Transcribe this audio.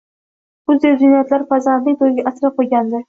Bu zeb-ziynatlarni farzandining to`yiga asrab qo`ygandi